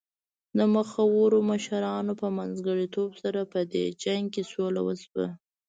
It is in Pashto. د مخورو مشرانو په منځګړیتوب سره په دې جنګ کې سوله وشوه.